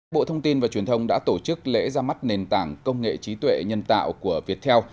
bộ thông tin và truyền thông đã tổ chức lễ ra mắt nền tảng công nghệ trí tuệ nhân tạo của viettel